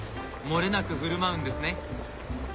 もれなく振る舞うんですね。